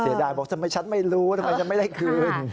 เสียดายบอกจะไม่ชัดไม่รู้ทำไมจะไม่ได้คืน